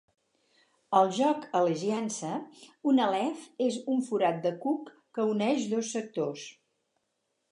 Al joc "Allegiance", un Aleph és un forat de cuc que uneix dos sectors.